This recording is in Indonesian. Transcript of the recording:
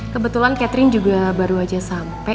kebetulan catherine juga baru aja sampe